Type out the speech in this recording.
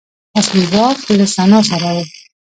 اصلي واک له سنا سره و